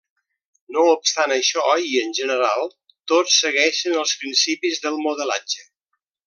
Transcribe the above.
No obstant això, i en general, tots segueixen els principis del modelatge.